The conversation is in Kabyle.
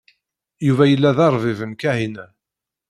Yuba yella d arbib n Kahina.